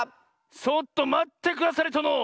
ちょっとまってくだされとの！